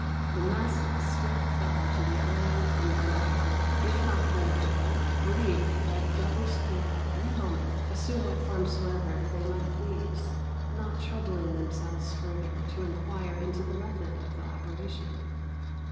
The masses still clung to the old and venerated, if not venerable, belief that devils could at any moment assume what form soever they might please not troubling themselves further to inquire into the method of the operation.